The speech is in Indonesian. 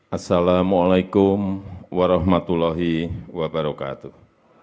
assalamu'alaikum warahmatullahi wabarakatuh